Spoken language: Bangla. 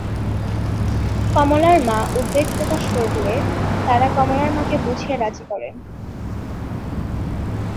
কমলার মা উদ্বেগ প্রকাশ করলে তারা কমলার মাকে বুঝিয়ে রাজী করেন।